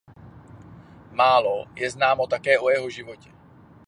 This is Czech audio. Málo je známo také o jeho životě.